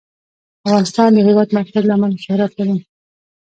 افغانستان د د هېواد مرکز له امله شهرت لري.